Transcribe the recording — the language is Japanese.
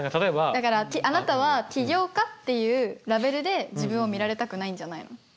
だからあなたは起業家っていうラベルで自分を見られたくないんじゃないの？